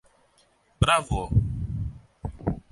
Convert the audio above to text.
Μπράβο!